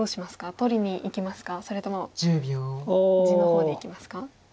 取りにいきますかそれとも地の方でいきますか？